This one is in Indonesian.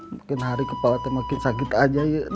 mungkin hari kepala saya makin sakit aja ya